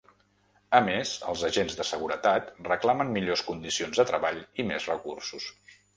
A més, els agents de seguretat reclamen millors condicions de treball i més recursos.